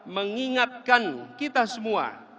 mengingatkan kita semua